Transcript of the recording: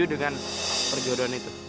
yang penting peroleh beber movies ini